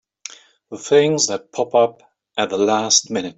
The things that pop up at the last minute!